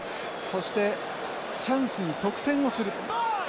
そしてチャンスに得点をする。